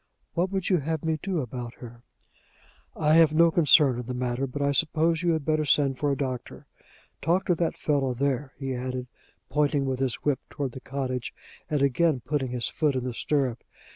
"What would you have me do about her?" "I have no concern in the matter, but I suppose you had better send for a doctor. Talk to that fellow there," he added, pointing with his whip toward the cottage, and again putting his foot in the stirrup.